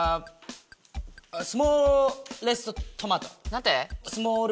何て？